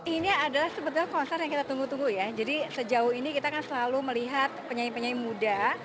ini adalah sebetulnya konser yang kita tunggu tunggu ya jadi sejauh ini kita kan selalu melihat penyanyi penyanyi muda